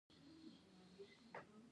هر څه چي کېدل بي معنی او بېځایه وه.